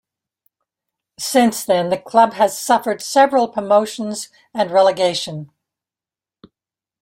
Since then the club has suffered several promotions and relegation.